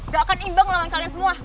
gak akan imbang lawan kalian semua